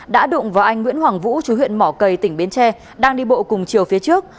đã đụng vào anh nguyễn hoàng vũ chú huyện mỏ cầy tỉnh bến tre đang đi bộ cùng chiều phía trước